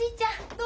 どう？